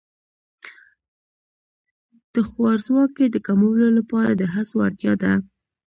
د خوارځواکۍ د کمولو لپاره د هڅو اړتیا ده.